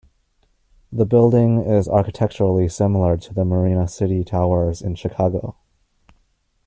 The building is architecturally similar to the Marina City towers in Chicago.